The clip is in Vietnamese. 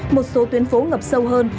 một số tuyến phố ngập sâu hơn